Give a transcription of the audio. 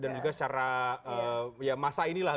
dan juga secara ya masa ini lah